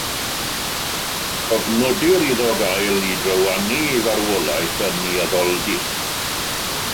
Cofnodir iddo gael ei drywanu i farwolaeth yn ei addoldy.